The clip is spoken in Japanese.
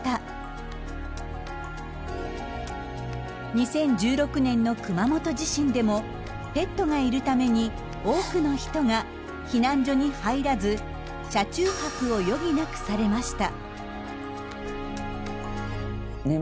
２０１６年の熊本地震でもペットがいるために多くの人が避難所に入らず車中泊を余儀なくされました。